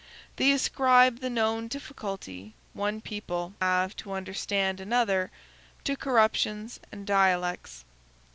They ascribe the known difficulty one people have to understand another to corruptions and dialects.